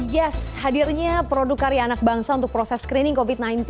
yes hadirnya produk karya anak bangsa untuk proses screening covid sembilan belas